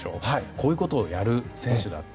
こういうことをやる選手だと。